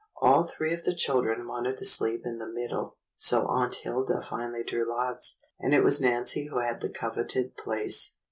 All three of the children wanted to sleep in the mid dle, so Aunt Hilda finally drew lots, and it was Nancy who had the coveted place.